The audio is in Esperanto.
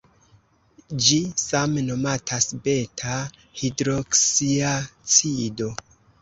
Ĝi same nomatas beta-hidroksiacido.